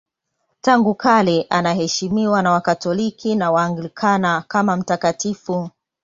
Tangu kale anaheshimiwa na Wakatoliki na Waanglikana kama mtakatifu.